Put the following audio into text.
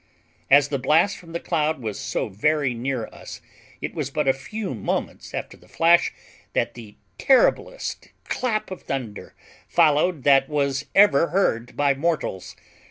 As the blast from the cloud was so very near us, it was but a few moments after the flash that the terriblest clap of thunder followed that was ever heard by mortals.